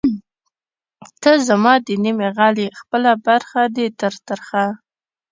ته زما د نیمې غل ئې خپله برخه دی تر ترخه